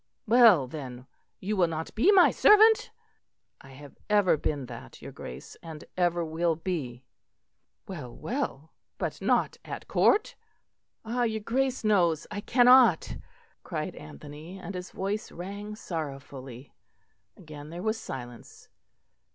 Well, then, you will not be my servant?" "I have ever been that, your Grace; and ever will be." "Well, well, but not at Court?" "Ah! your Grace knows I cannot," cried Anthony, and his voice rang sorrowfully. Again there was silence.